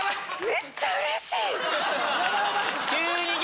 めっちゃうれしい！